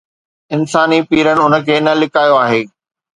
انساني پيرن ان کي نه لڪايو آهي